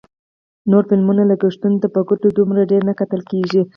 نورو فلمونو لګښتونو ته په کتو دومره ډېر نه ګڼل کېږي